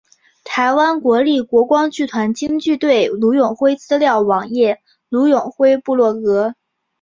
台湾国立国光剧团京剧队吕永辉资料网页吕永辉部落格